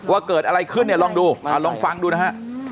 ว่าเกิดอะไรขึ้นเนี่ยลองดูลองฟังดูนะฮะ